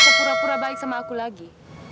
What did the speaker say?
sepura pura baik sama aku lagi